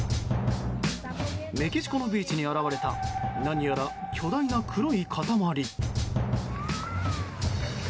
メキシコのビーチに現れた何やら巨大な黒い塊。